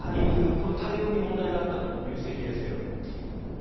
この対応に問題があったという指摘ですが。